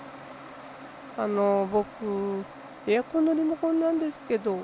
あのぼくエアコンのリモコンなんですけど。